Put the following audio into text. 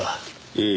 ええ。